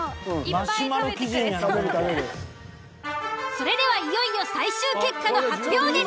それではいよいよ最終結果の発表です。